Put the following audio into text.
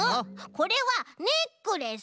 これはネックレス！